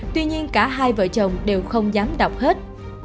tuy nhiên cả hai vợ chồng đều không dám đọc hết